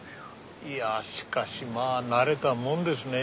いやしかしまぁ慣れたもんですね。